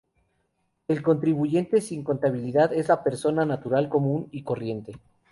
El contribuyente sin contabilidad es la persona natural común y corriente.